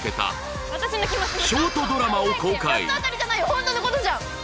ホントのことじゃん！